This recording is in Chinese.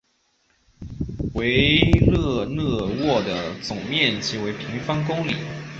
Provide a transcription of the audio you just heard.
维勒讷沃的总面积为平方公里。